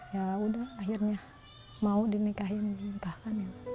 ya udah akhirnya mau dinikahin dinikahkan ya